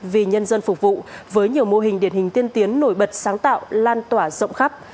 vì nhân dân phục vụ với nhiều mô hình điển hình tiên tiến nổi bật sáng tạo lan tỏa rộng khắp